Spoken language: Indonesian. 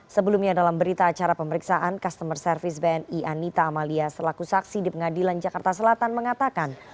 sebelumnya dalam berita acara pemeriksaan customer service bni anita amalia selaku saksi di pengadilan jakarta selatan mengatakan